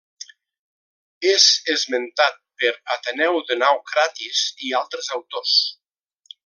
És esmentat per Ateneu de Naucratis i altres autors.